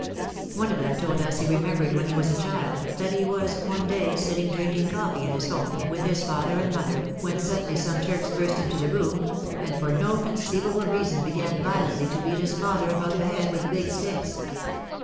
One of them told us he remembered when he was a child, that he was one day sitting drinking coffee in his home, with his father and mother, when suddenly some Turks burst into the room, and for no conceivable reason began violently to beat his father about the head with big sticks.